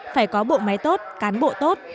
phải có bộ máy tốt cán bộ tốt